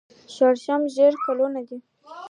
شړشم ژیړ ګلونه کوي